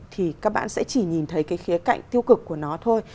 thì các bạn sẽ chỉ nhìn thấy cái khía cạnh tiêu cực của nó thôi